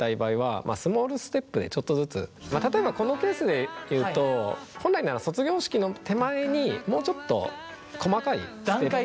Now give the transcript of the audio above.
例えばこのケースで言うと本来なら卒業式の手前にもうちょっと細かいステップを。